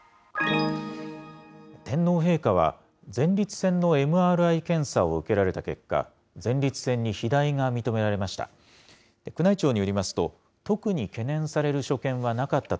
天皇陛下は前立腺のＭＲＩ検査を受けられた結果、前立腺に肥大が認められました。